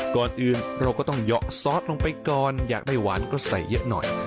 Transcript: ก่อนอื่นเราก็ต้องเหยาะซอสลงไปก่อนอยากได้หวานก็ใส่เยอะหน่อย